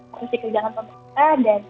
berhasil kerjalan untuk kita